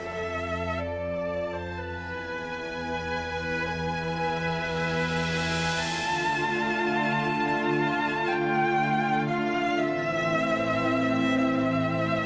saya udah nggak peduli